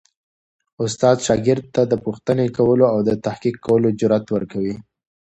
استاد شاګرد ته د پوښتنې کولو او تحقیق کولو جرئت ورکوي.